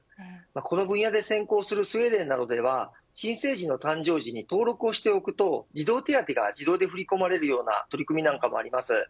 この分野で先行するスウェーデンなどでは新生児の誕生時に登録をしておくと児童手当が自動に振り込まれるような取り組みもあります。